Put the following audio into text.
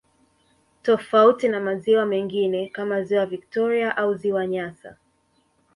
Tofauti na maziwa mengine kama ziwa victoria au ziwa nyasa